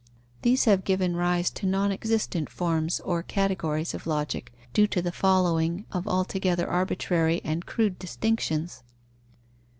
These have given rise to non existent forms or categories of Logic, due to the following of altogether arbitrary and crude distinctions.